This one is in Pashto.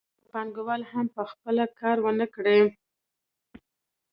که پانګوال هم په خپله کار ونه کړي